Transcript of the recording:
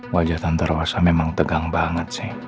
wajah tante rosa memang tegang banget sih